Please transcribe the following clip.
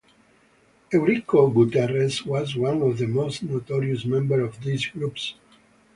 Eurico Guterres was one of the most notorious member of these groups.